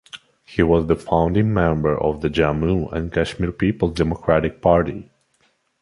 He was the founding member of the Jammu and Kashmir Peoples Democratic Party.